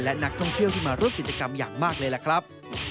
และนักท่องเที่ยวที่มาร่วมกิจกรรมอย่างมากเลยล่ะครับ